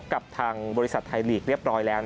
กับทางบริษัทไทยลีกเรียบร้อยแล้ว